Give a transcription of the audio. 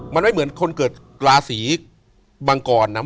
มันไม่เหมือนคนเกิดราศีมังกรนะ